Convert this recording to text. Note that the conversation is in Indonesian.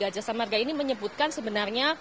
jasa marga ini menyebutkan sebenarnya